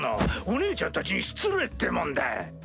お姉ちゃんたちに失礼ってもんだ！